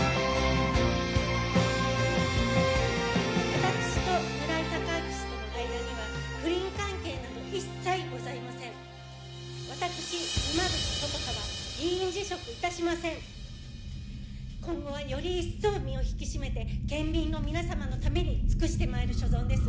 私と村井隆明氏との間には不倫関係など一切ございません私・沼淵ことはは議員辞職いたしません今後はより一層身を引き締めて県民の皆様のために尽くしてまいる所存です